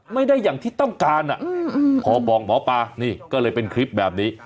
ไม่ได้อย่างที่ต้องการพอบอกหมอปลานี่ก็เลยเป็นคลิปแบบนี้